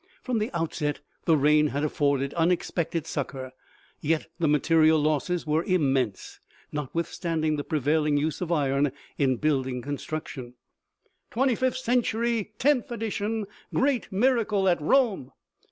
From the outset, the rain had afforded unex pected succor, yet the material losses were immense, not withstanding the prevailing use of iron in building con struction. " Twenty fifth Century, tenth edition ! Great miracle at Rome